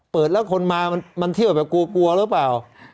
เปิดแล้วคนมามันเที่ยวแบบกลัวกลัวหรือเปล่า